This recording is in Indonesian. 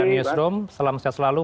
pak yusdom selamat siang selalu